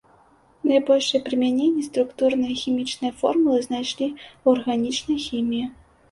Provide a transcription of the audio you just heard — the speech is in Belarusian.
Найбольшае прымяненне структурныя хімічныя формулы знайшлі ў арганічнай хіміі.